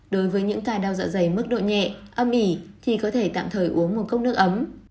đối với những ca đau dạ dày mức độ nhẹ âm ỉ thì có thể tạm thời uống một cốc nước ấm